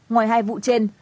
ngoài hai vụ trên